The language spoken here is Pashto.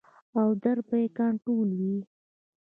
او درد به ئې کنټرول وي -